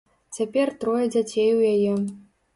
Цяпер трое дзяцей у яе.